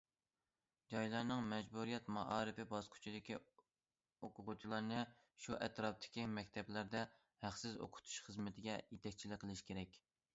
جايلارنىڭ مەجبۇرىيەت مائارىپى باسقۇچىدىكى ئوقۇغۇچىلارنى شۇ ئەتراپتىكى مەكتەپلەردە ھەقسىز ئوقۇتۇش خىزمىتىگە يېتەكچىلىك قىلىش كېرەك.